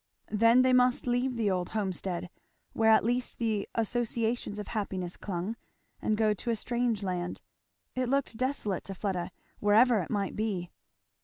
Then they must leave the old homestead, where at least the associations of happiness clung, and go to a strange land. It looked desolate to Fleda, wherever it might be.